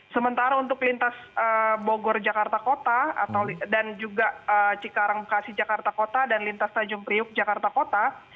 sementara untuk lintas bogor jakarta kota dan juga cikarang bekasi jakarta kota dan lintas tanjung priuk jakarta kota